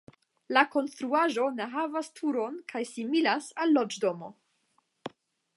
La konstruaĵo ne havas turon kaj similas al loĝdomo.